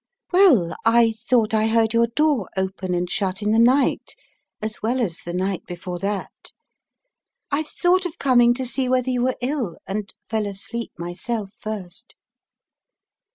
"Well, I thought I heard your door open and shut in the night, as well as the night before that. I thought of coming to see whether you were ill, and fell asleep myself first."